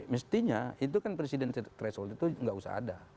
mestinya itu kan presidensial threshold itu nggak usah ada